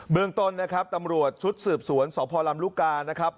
เมืองต้นนะครับตำรวจชุดสืบสวนสพลำลูกกานะครับ